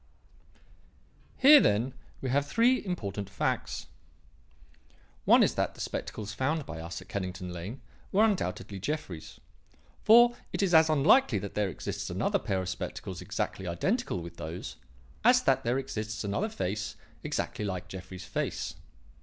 "Here, then, we have three important facts. One is that the spectacles found by us at Kennington Lane were undoubtedly Jeffrey's; for it is as unlikely that there exists another pair of spectacles exactly identical with those as that there exists another face exactly like Jeffrey's face.